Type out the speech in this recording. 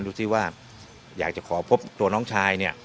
ดูสิว่าอยากจะขอพบตัวน้องชายเนี่ย